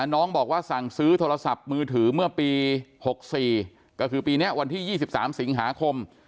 น้องบอกว่าสั่งซื้อโทรศัพท์มือถือเมื่อปี๖๔ก็คือปีนี้วันที่๒๓สิงหาคม